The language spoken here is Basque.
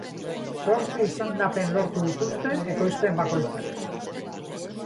Zortzi izendapen lortu dituzte ekoizpen bakoitzak.